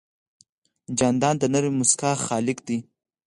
جانداد د نرمې موسکا خالق دی.